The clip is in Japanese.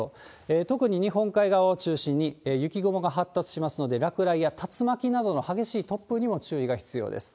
特に日本海側を中心に雪雲が発達しますので、落雷や竜巻などの激しい突風にも注意が必要です。